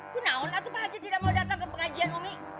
kenapa pak haji tidak mau datang ke pengajian umi